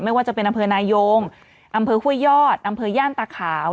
ว่าจะเป็นอำเภอนายงอำเภอห้วยยอดอำเภอย่านตาขาว